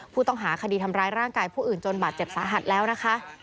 ผู้ต้องหาคดีทำร้ายร่างกายผู้อื่นจนบาดเจ็บสาหัสแล้วนะคะ